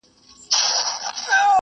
په لار کي به دي پلونه د رقیب خامخا نه وي